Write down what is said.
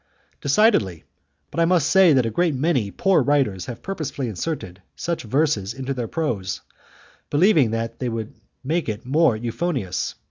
"Decidedly. But I must say that a great many poor writers have purposely inserted such verses into their prose, believing that they would make it more euphonious.